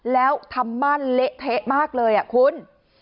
แล้วทำมั่นเละเทะมากเลยคุณ